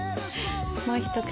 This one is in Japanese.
もう一口。